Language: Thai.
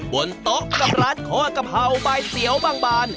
บนต๊อกกับร้านขออักภาวใบเตี๋ยวบางบาน